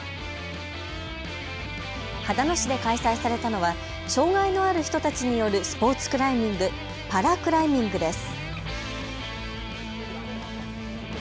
秦野市で開催されたのは障害のある人たちによるスポーツクライミング、パラクライミングです。